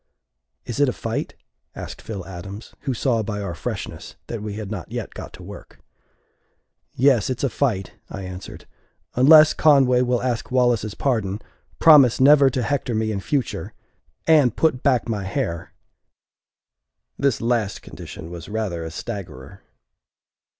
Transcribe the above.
"Is it a fight?" asked Phil Adams, who saw by our freshness that we had not yet got to work. "Yes, it's a fight," I answered, "unless Conway will ask Wallace's pardon, promise never to hector me in future and put back my hair!" This last condition was rather a staggerer.